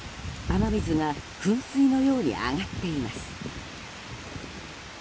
雨水が噴水のように上がっています。